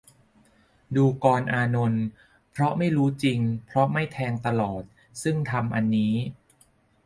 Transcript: ดูกรอานนท์ เพราะไม่รู้จริง เพราะไม่แทงตลอด ซึ่งธรรมอันนี้